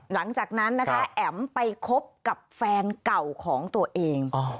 หลังจากนั้นนะคะแอ๋มไปคบกับแฟนเก่าของตัวเอง